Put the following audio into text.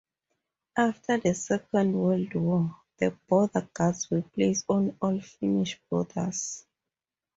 After the Second World War, the Border Guards were placed on all Finnish borders.